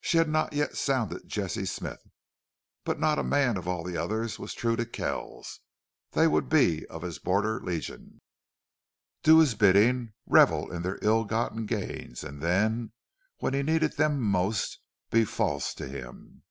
She had not yet sounded Jesse Smith, but not a man of all the others was true to Kells. They would be of his Border Legion, do his bidding, revel in their ill gotten gains, and then, when he needed them most, be false to him.